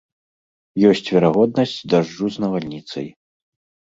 Ёсць верагоднасць дажджу з навальніцай.